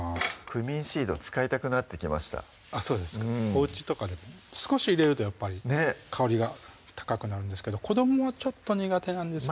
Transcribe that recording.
クミンシード使いたくなってきましたそうですかおうちとかでも少し入れるとやっぱり香りが高くなるんですけど子どもはちょっと苦手なんですよね